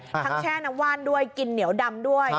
แช่น้ำว่านด้วยกินเหนียวดำด้วย